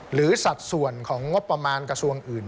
สัดส่วนของงบประมาณกระทรวงอื่น